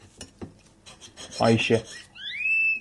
Ayşe